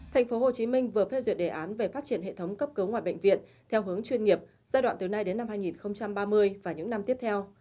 tp hcm vừa phê duyệt đề án về phát triển hệ thống cấp cứu ngoại bệnh viện theo hướng chuyên nghiệp giai đoạn từ nay đến năm hai nghìn ba mươi và những năm tiếp theo